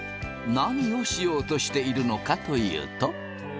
何をしようとしているのかというと。